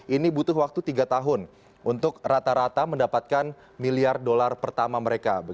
ini butuh waktu tiga tahun untuk rata rata mendapatkan miliar dolar pertama mereka